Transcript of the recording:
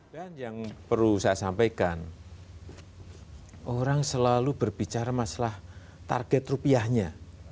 dan yang perlu saya sampaikan orang selalu berbicara masalah target rupiahnya